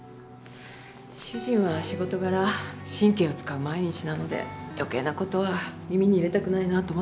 主人は仕事柄神経を使う毎日なので余計な事は耳に入れたくないなと思ってます。